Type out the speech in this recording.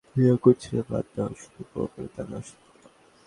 যা করছিলে বাদ দাও, শুধু উপরে একটু তাকাও!